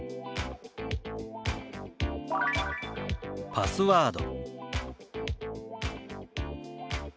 「パスワード」。